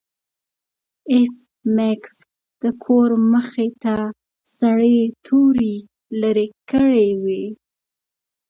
ایس میکس د کور مخې ته زړې توري لرې کړې وې